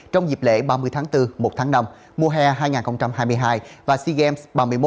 trong dịp lễ ba mươi tháng bốn một tháng năm mùa hè hai nghìn hai mươi hai và sea games ba mươi một